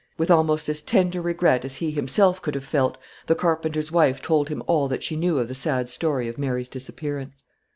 With almost as tender regret as he himself could have felt, the carpenter's wife told him all that she knew of the sad story of Mary's disappearance.